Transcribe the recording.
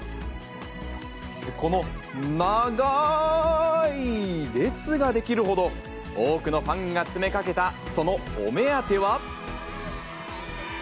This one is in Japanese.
この長ーい列が出来るほど、多くのファンが詰めかけたそのお目当ては？